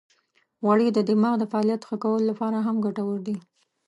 غوړې د دماغ د فعالیت ښه کولو لپاره هم ګټورې دي.